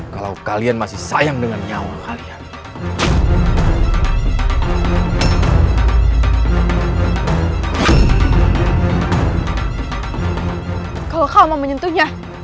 kalau kalian masih sayang dengan nyawa kalian